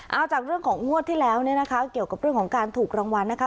เอาจากเรื่องของงวดที่แล้วเนี่ยนะคะเกี่ยวกับเรื่องของการถูกรางวัลนะคะ